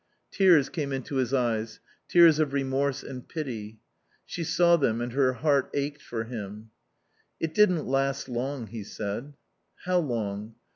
Tears came into his eyes, tears of remorse and pity. She saw them and her heart ached for him. "It didn't last long," he said. "How long?"